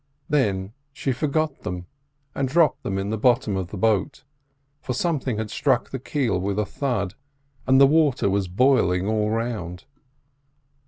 Then she forgot them, and dropped them in the bottom of the boat, for something had struck the keel with a thud, and the water was boiling all round.